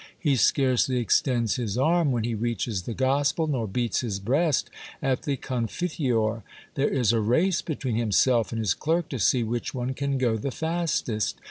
He scarcely extends his arm when he reaches the Gospel, nor beats his breast at the Confiteor. There is a race between himself and his clerk to see which one can go the fastest.